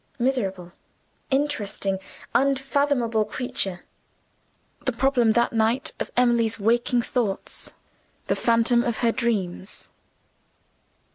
Miserable, interesting, unfathomable creature the problem that night of Emily's waking thoughts: the phantom of her dreams.